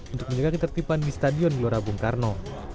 untuk menjaga ketertiban di stadion gelora bung karno